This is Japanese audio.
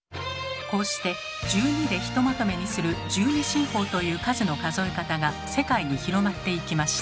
こうして１２でひとまとめにする「１２進法」という数の数え方が世界に広まっていきました。